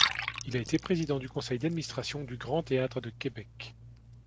Il a été président du conseil d'administration du Grand Théâtre de Québec.